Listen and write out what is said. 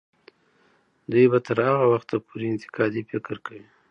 دوی به تر هغه وخته پورې انتقادي فکر کوي.